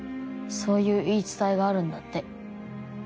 そういう言い伝えがあるんだって。